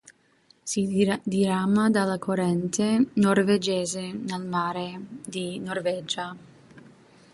Si dirama dalla corrente norvegese nel Mare di Norvegia.